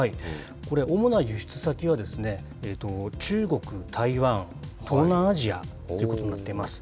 これ、主な輸出先は、中国、台湾、東南アジアということになっています。